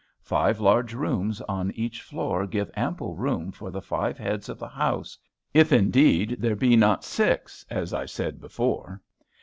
Five large rooms on each floor give ample room for the five heads of the house, if, indeed, there be not six, as I said before.